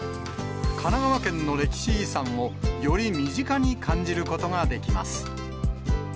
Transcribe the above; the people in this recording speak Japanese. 神奈川県の歴史遺産を、より身近に感じることができます。